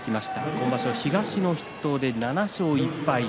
今場所、東の筆頭で７勝１敗。